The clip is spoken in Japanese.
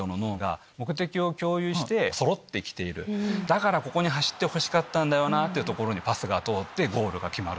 だから「ここに走ってほしかった」って所にパスが通ってゴールが決まる。